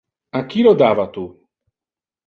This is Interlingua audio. A qui lo dava tu?